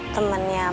temennya mas haid